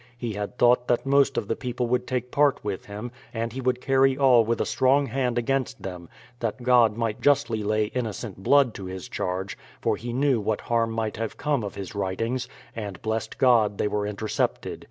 He had thought that most of the people would take part with him, and he would carry all with a strong hand against them; tliat God might justly lay innocent blood to his charge, for he knew what harm might have come of his writings, and blessed God they were intercepted.